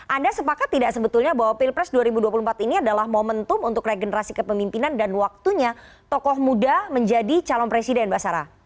anda sepakat tidak sebetulnya bahwa pilpres dua ribu dua puluh empat ini adalah momentum untuk regenerasi kepemimpinan dan waktunya tokoh muda menjadi calon presiden mbak sarah